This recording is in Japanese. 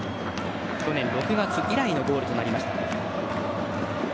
去年の９月以来のゴールとなりました。